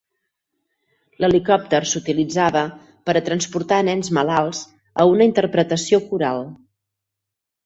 L'helicòpter s'utilitzava per a transportar nens malalts a una interpretació coral.